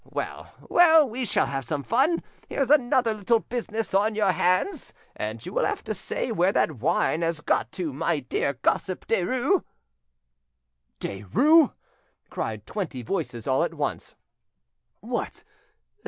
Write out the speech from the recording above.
Well, well, we shall have some fun! Here's another little business on your hands, and you will have to say where that wine has got to, my dear gossip Derues." "Derues!" cried twenty voices all at once. "What!